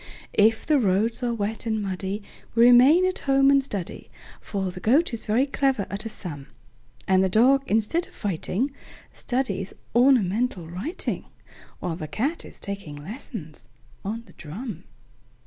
If the roads are wet and muddyWe remain at home and study,—For the Goat is very clever at a sum,—And the Dog, instead of fighting, Studies ornamental writing, While the Cat is taking lessons on the drum.